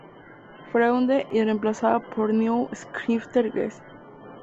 Freunde" y reemplazada por "Neue Schriften Ges.